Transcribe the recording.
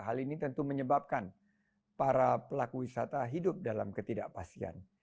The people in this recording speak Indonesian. hal ini tentu menyebabkan para pelaku wisata hidup dalam ketidakpastian